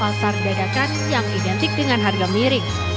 pasar dagakan yang identik dengan harga mirip